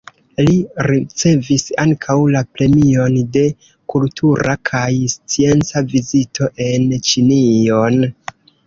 Li ricevis ankaŭ la Premion de Kultura kaj Scienca Vizito en Ĉinion.